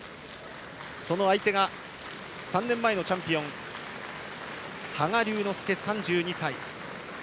その相手が３年前のチャンピオン羽賀龍之介、３２歳。